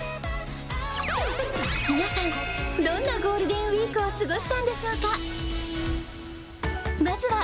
皆さん、どんなゴールデンウィークを過ごしたんでしょうか。